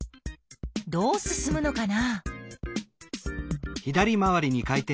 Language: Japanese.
どう進むのかな？